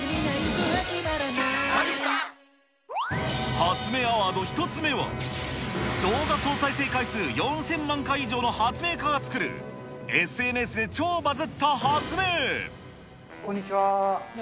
発明アワード１つ目は、動画総再生回数４０００万回以上の発明家が作る、ＳＮＳで超バズこんにちは。